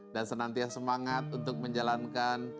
dan senantiasa semangat untuk menjalankan